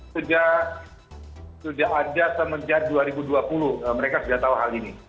sudah ada semenjak dua ribu dua puluh mereka sudah tahu hal ini